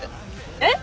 えっ⁉